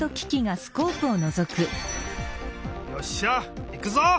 よっしゃいくぞ！